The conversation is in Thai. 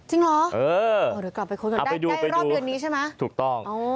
จริงหรอเออเอาไปดูเอาไปดูได้รอบเดือนนี้ใช่ไหมถูกต้อง